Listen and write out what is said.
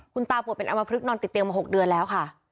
คุณตาปวดเป็นอมพลึกนอนติดเตียงมา๖เดือนแล้วค่ะ